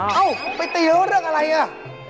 อ้าวไปตีแล้วเรื่องอะไรน่ะ